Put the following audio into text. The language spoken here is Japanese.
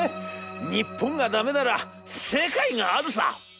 『日本がダメなら世界があるさ！』。